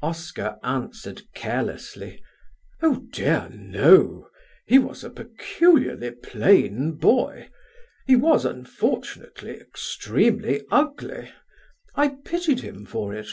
Oscar answered carelessly, "Oh, dear, no. He was a peculiarly plain boy. He was, unfortunately, extremely ugly. I pitied him for it."